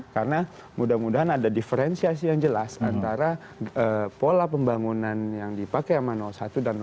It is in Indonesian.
karena mudah mudahan ada diferensiasi yang jelas antara pola pembangunan yang dipakai sama satu dan dua